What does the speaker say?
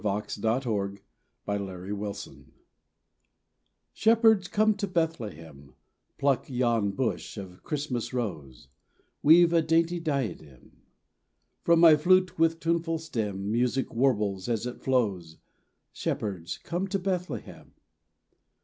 XXXIII THE CALL TO BETHLEHEM SHEPHERDS, come to Bethlehem, Pluck yon bush of Christmas rose, Weave a dainty diadem. From my flute with tuneful stem Music warbles as it flows, "Shepherds, come to Bethlehem."